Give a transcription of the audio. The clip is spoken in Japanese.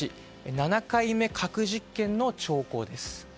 ７回目核実験の兆候です。